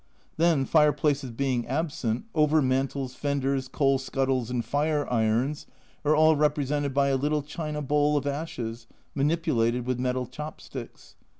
Then fireplaces being A Journal from Japan 119 absent, overmantels, fenders, coal scuttles and fire irons are all represented by a little china bowl of ashes, manipulated with metal chop sticks.